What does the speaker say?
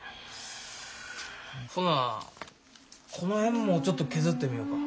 ほなこの辺もちょっと削ってみよか。